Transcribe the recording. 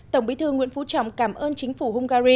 một mươi một tổng bí thư nguyễn phú trọng cảm ơn chính phủ hungary